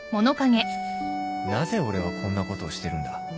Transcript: なぜ俺はこんなことをしてるんだ